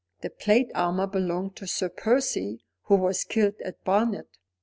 "The plate armour belonged to Sir Percy, who was killed at Barnet.